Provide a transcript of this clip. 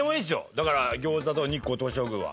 だから餃子と日光東照宮は。